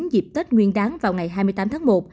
dịp tết nguyên đáng vào ngày hai mươi tám tháng một